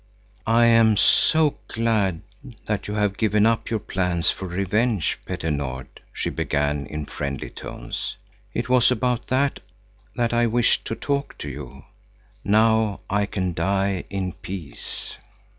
"I am so glad that you have given up your plans for revenge, Petter Nord," she began in friendly tones. "It was about that that I wished to talk to you. Now I can die in peace."